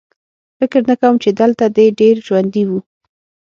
فکر نه کوم چې دلته دې ډېر ژوندي وو